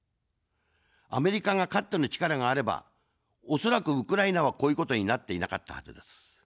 アメリカが、かっての力があれば、恐らくウクライナは、こういうことになっていなかったはずです。